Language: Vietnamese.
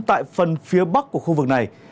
tại phần phía bắc của khu vực này